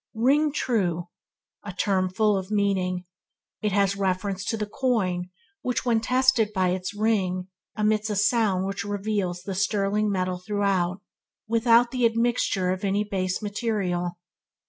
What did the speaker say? Ring true, a term full of meaning. It has reference to the coin which, when tested by its ring, emits a sound which reveals the sterling metal throughout, without the admixture of any base material.